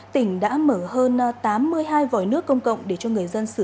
tỉnh đã mở hơn tám mươi hai vòi nước công cộng